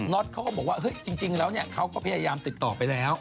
็อตเขาก็บอกว่าจริงแล้วเขาก็พยายามติดต่อไปแล้ว